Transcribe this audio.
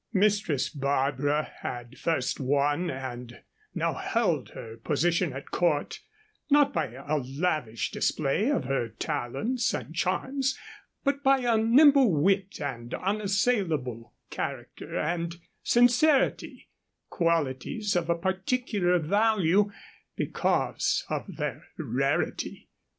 Mistress Barbara had first won and now held her position at court, not by a lavish display of her talents and charms, but by a nimble wit and unassailable character and sincerity, qualities of a particular value, because of their rarity.